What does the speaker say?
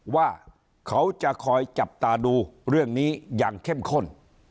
ว่าเขาจะคอยจับตาดูเรื่องนี้อย่างเข้มข้น